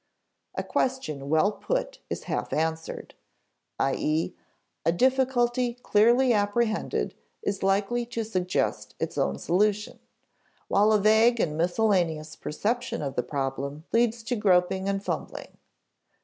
A question well put is half answered; i.e. a difficulty clearly apprehended is likely to suggest its own solution, while a vague and miscellaneous perception of the problem leads to groping and fumbling.